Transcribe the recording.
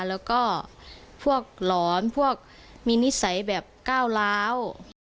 แล้วก็พวกหลอนพวกมีนิสัยแบบก้าวร้าว